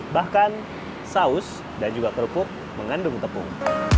bahkan saus dan juga kerupuk mengandung tepung